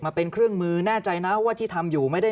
มาเป็นเครื่องมือแน่ใจนะว่าที่ทำอยู่ไม่ได้